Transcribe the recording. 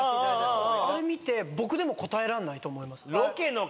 あれ見て僕でも答えらんないと思います。